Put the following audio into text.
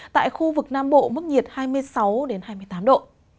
tại khu vực nam bộ mức nhiệt hai mươi sáu hai mươi tám độ